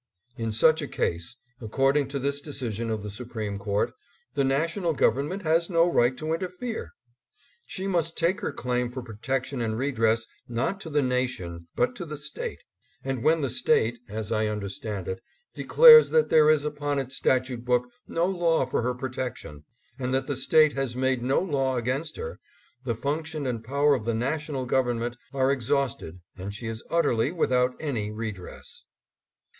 In such a case, according to this decision of the Supreme Court, the National Government has no right to inter fere. She must take her claim for protection and redress, not to the nation, but to the State ; and when the State, as I understand it, declares that there is upon its statute book no law for her protection, and that the State has made no law against her, the function and power of the National Government are exhausted and she is utterly without any redress.